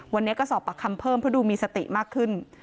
วันนี้ก็สอบปากคำเพิ่มเพราะดูมีสติมากขึ้น